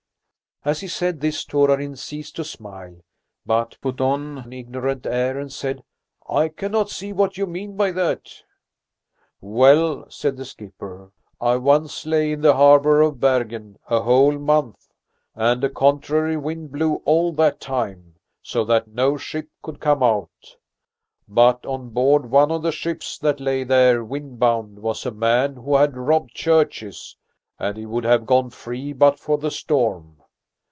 As he said this Torarin ceased to smile, but put on an ignorant air and said: "I cannot see what you mean by that." "Well," said the skipper, "I once lay in the harbour of Bergen a whole month, and a contrary wind blew all that time, so that no ship could come out. But on board one of the ships that lay there wind bound was a man who had robbed churches, and he would have gone free but for the storm.